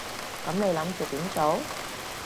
噉你諗住點做？